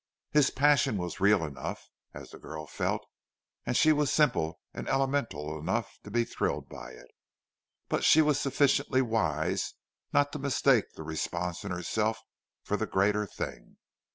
His passion was real enough, as the girl felt, and she was simple and elemental enough to be thrilled by it; but she was sufficiently wise not to mistake the response in herself for the greater thing.